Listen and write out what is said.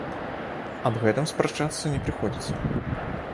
Аб гэтым спрачацца не прыходзіцца.